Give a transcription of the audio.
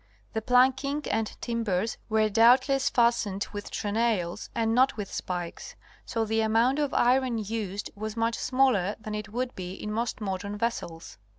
The planking and timbers were doubtless fastened with trenails and not with spikes, so the amount of iron used was much smaller than it would be in most modern vessels.